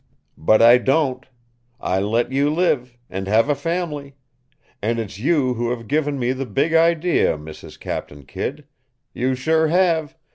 But I don't. I let you live and have a fam'ly. And it's you who have given me the Big Idea, Mrs. Captain Kidd. You sure have!